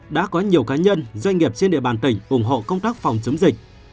đã có nhiều cá nhân doanh nghiệp trên địa bàn tỉnh ủng hộ công tác phòng chống dịch